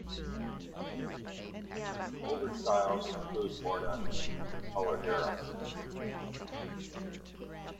Older styles include "morna" and "coladeira".